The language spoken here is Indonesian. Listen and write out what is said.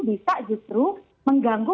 bisa justru mengganggu